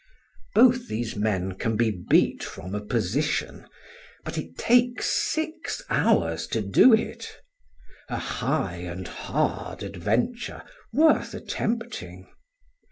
Both these men can be beat from a position, but it takes six hours to do it; a high and hard adventure, worth attempting.